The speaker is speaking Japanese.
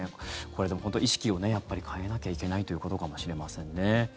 でも、本当に意識を変えなきゃいけないということかもしれませんね。